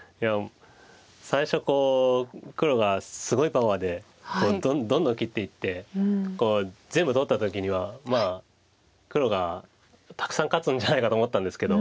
最初こう黒がすごいパワーでどんどん切っていって全部取った時にはまあ黒がたくさん勝つんじゃないかと思ったんですけど。